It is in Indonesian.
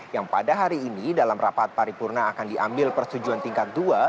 yang pada hari ini dalam rapat paripurna akan diambil persetujuan tingkat dua